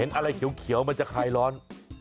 อะไรเขียวมันจะคลายร้อน